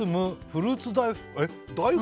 フルーツ大福？